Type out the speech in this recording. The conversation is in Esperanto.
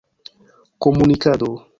komunikado